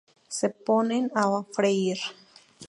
Se ponen a freír.